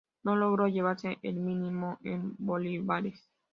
No logro llevarse el mínimo en bolívares.